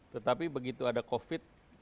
tetapi begitu ada covid